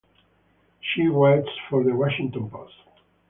She writes for the "Washington Post".